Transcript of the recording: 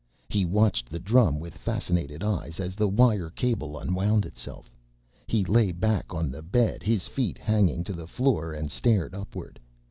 He watched the drum with fascinated eyes, as the wire cable unwound itself. He lay back on the bed, his feet hanging to the floor, and stared upward.